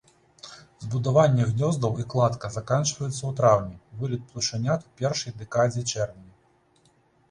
Збудаванне гнёздаў і кладка заканчваюцца ў траўні, вылет птушанят у першай дэкадзе чэрвеня.